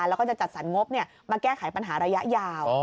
แล้วก็จะจัดสรรงบมาแก้ไขปัญหาระยะยาว